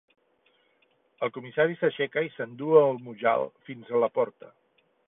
El comissari s'aixeca i s'endú el Mujal fins a la porta.